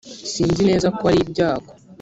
sinzi neza ko ari ibyago